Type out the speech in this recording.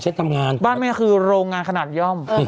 บ้านแม่คือโรงงานขนาดย่อม